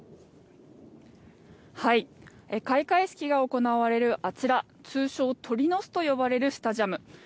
開会式が行われるあちら、通称・鳥の巣と呼ばれるスタジアム。